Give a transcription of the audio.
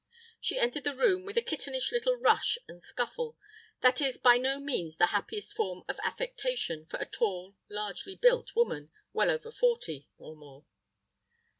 She entered the room with a kittenish little rush and scuffle, that is by no means the happiest form of affectation for a tall, largely built woman, well over forty (or more).